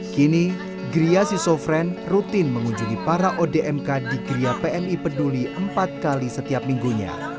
kini gria sisofren rutin mengunjungi para odmk di gria pmi peduli empat kali setiap minggunya